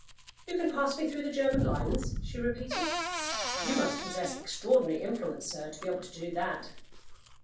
"You can pass me through the German lines?" she repeated. "You must possess extraordinary influence, sir, to be able to do that."